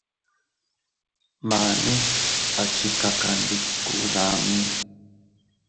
Mane a chikakandiku dami.